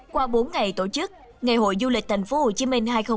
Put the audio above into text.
qua bốn ngày tổ chức ngày hội du lịch tp hcm hai nghìn hai mươi bốn